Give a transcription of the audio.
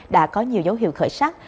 đã có nhiều dấu hiệu khởi sắc